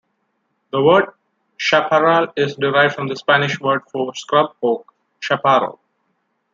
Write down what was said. The word "chaparral" is derived from the Spanish word for scrub oak, "chaparro.